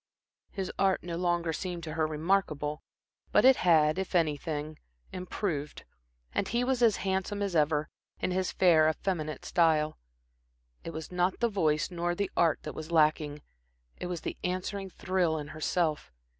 His art no longer seemed to her remarkable, but it had, if anything, improved, and he was as handsome as ever, in his fair, effeminate style. It was not the voice nor the art that was lacking. It was the answering thrill in herself.